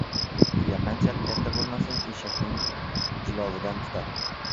• Tuya qanchalik katta bo‘lmasin, eshakning jilovidan tutadi.